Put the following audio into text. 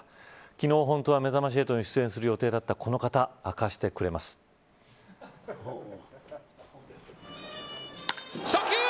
昨日、本当は、めざまし８に出演する予定だったこの方が初球。